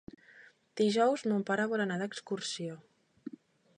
Dijous mon pare vol anar d'excursió.